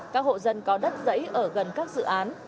các hộ dân có đất rẫy ở gần các dự án